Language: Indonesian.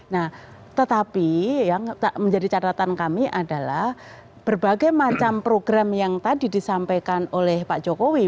nah tetapi yang menjadi catatan kami adalah berbagai macam program yang tadi disampaikan oleh pak jokowi